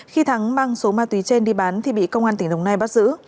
khi thắng mang số ma túy trên đi bán thì bị công an tỉnh đồng nai bắt giữ